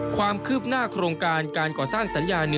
ความคืบหน้าโครงการการก่อสร้างสัญญา๑